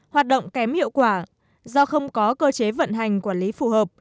hoạt động kém hiệu quả do không có cơ chế vận hành quản lý phù hợp